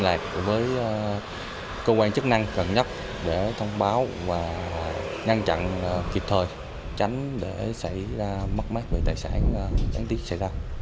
lạc với cơ quan chức năng gần nhất để thông báo và ngăn chặn kịp thông báo